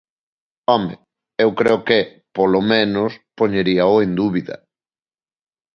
Home, eu creo que, polo menos, poñeríao en dúbida.